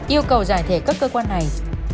yêu cầu giải thể các cơ quan này